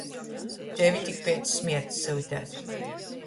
Tevi tik piec smierts syuteit.